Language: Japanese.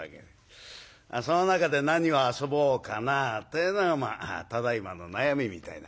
その中で何を遊ぼうかなっていうのがまあただいまの悩みみたいな。